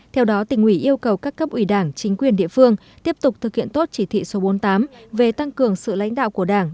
theo đó tỉnh ủy yêu cầu các cấp ủy đảng chính quyền địa phương tiếp tục thực hiện tốt chỉ thị số bốn mươi tám về tăng cường sự lãnh đạo của đảng